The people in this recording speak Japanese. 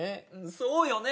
そうよね